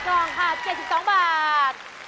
กล่องค่ะ๗๒บาท